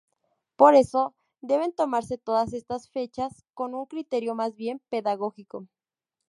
Por eso, deben tomarse todas estas fechas con un criterio más bien pedagógico.